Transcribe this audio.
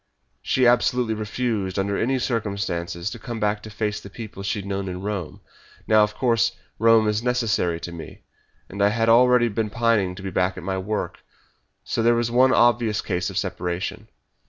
She absolutely refused, under any circumstances, to come back to face the people she had known in Rome. Now, of course, Rome is necessary to me, and I was already pining to be back at my work so there was one obvious cause of separation.